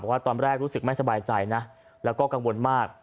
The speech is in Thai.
ว่าตอนแรกรู้สึกไม่สบายใจนะแล้วก็กังวลมาก